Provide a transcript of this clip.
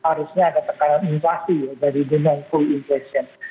harusnya ada tekanan inflasi dari demand cruise inflation